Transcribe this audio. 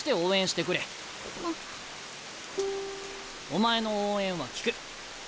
お前の応援は効く。